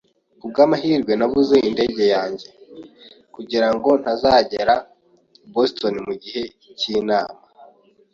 Kubwamahirwe, nabuze indege yanjye, kugirango ntazagera i Boston mugihe cyinama.